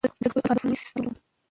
زه د خپلو هدفونو لیست جوړوم.